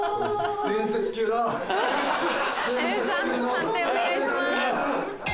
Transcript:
判定お願いします。